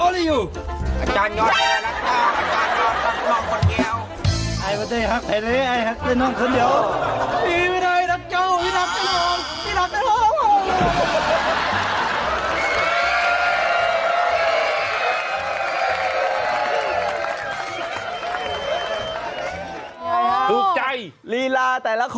สกิดยิ้ม